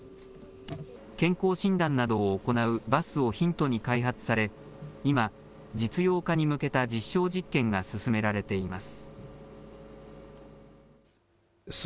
健康診断などを行うバスをヒントに開発され、今、実用化に向けた実証実験が進められています。